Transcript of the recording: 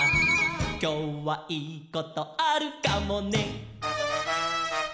「きょうはいいことあるかもね」